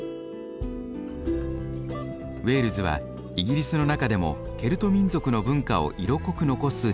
ウェールズはイギリスの中でもケルト民族の文化を色濃く残す地域です。